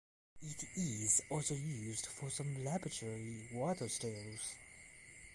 It is also used for some laboratory water stills.